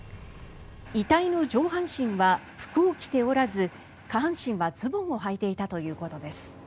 遺体の上半身は服を着ておらず下半身はズボンをはいていたということです。